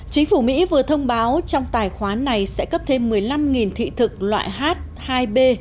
chính phủ mỹ vừa thông báo trong tài khoá này sẽ cấp thêm một mươi năm thị thực loại h hai b